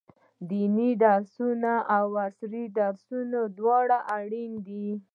ديني درسونه او عصري درسونه دواړه اړين دي.